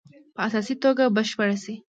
په اساسي توګه بشپړې شي.